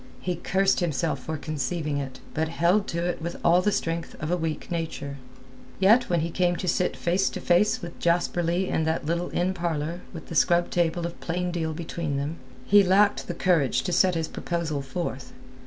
He cursed himself for conceiving it, but held to it with all the strength of a weak nature. Yet when he came to sit face to face with Jasper Leigh in that little inn parlour with the scrubbed table of plain deal between them, he lacked the courage to set his proposal forth.